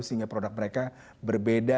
sehingga produk mereka berbeda